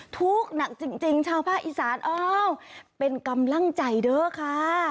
ทุกข์หนักจริงชาวภาคอีสานอ้าวเป็นกำลังใจเด้อค่ะ